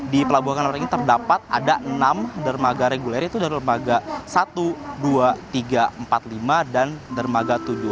di pelabuhan ini terdapat ada enam dermaga reguler yaitu dari dermaga satu dua tiga empat puluh lima dan dermaga tujuh